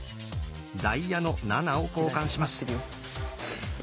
「ダイヤの７」を交換します。